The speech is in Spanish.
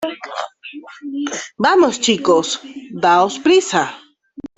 ¡ vamos, chicos! ¡ daos prisa !